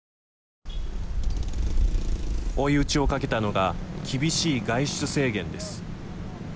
追い打ちをかけたのが厳しい外出制限です。